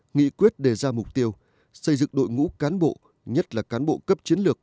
nghị quyết đề ra mục tiêu xây dựng đội ngũ cán bộ nhất là cán bộ cấp chiến lược